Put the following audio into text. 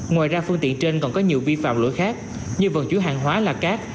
ngoài ra phương tiện trên còn có nhiều vi phạm lỗi khác như vận chuyển hàng hóa là cát